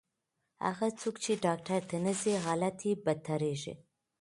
هغه څوک چې ډاکټر ته نه ځي، حالت یې بدتریږي.